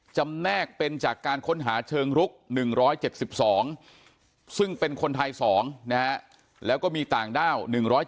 แนกเป็นจากการค้นหาเชิงรุก๑๗๒ซึ่งเป็นคนไทย๒นะฮะแล้วก็มีต่างด้าว